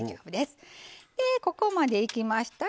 ここまでいきましたら